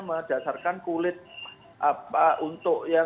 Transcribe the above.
berdasarkan kulit kayu yang diberikan